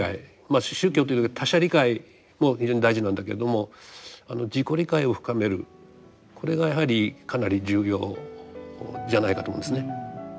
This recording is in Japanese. まあ宗教という他者理解も非常に大事なんだけれども自己理解を深めるこれがやはりかなり重要じゃないかと思うんですね。